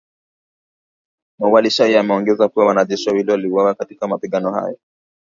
Mualushayi ameongeza kuwa wanajeshi wawili waliuawa wakati wa mapigano hayo